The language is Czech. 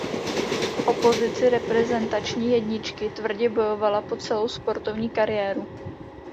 O pozici reprezentační jedničky tvrdě bojovala po celou sportovní kariéru.